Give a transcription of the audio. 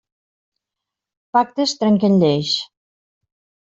Pactes trenquen lleis.